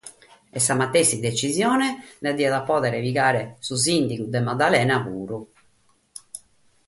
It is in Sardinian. E sa matessi detzisione dda diat pòdere pigare puru su sìndigu de Madalena.